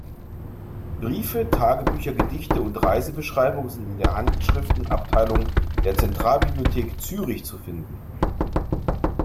Briefe, Tagebücher, Gedichte und Reisebeschreibungen sind in der Handschriftenabteilung der Zentralbibliothek Zürich zu finden.